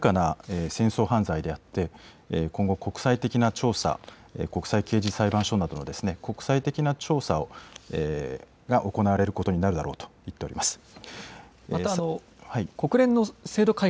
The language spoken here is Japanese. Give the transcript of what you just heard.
これは、明らかな戦争犯罪であって今後、国際的な調査国際刑事裁判所などの国際的な調査を行われることになるだろうと言っています。